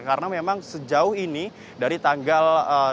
karena memang sejauh ini dari tanggal dua puluh